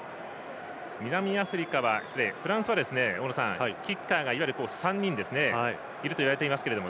フランスは、大野さんキッカーがいわゆる３人いると言われています。